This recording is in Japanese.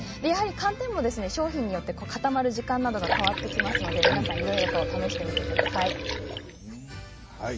寒天も商品によって固まる時間などは変わってきますのでいろいろと試してみてください。